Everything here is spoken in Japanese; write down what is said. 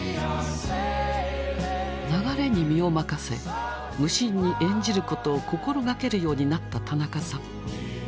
流れに身を任せ無心に演じることを心がけるようになった田中さん。